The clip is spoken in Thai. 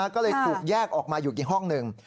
ก็เลยถูกแยกออกมาอยู่อีกห้องหนึ่ง